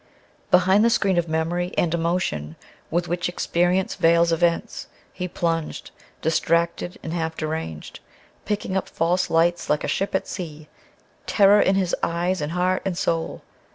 Behind the screen of memory and emotion with which experience veils events, he plunged, distracted and half deranged, picking up false lights like a ship at sea, terror in his eyes and heart and soul.